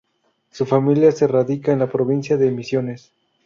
Su familia se radica en la Provincia de Misiones.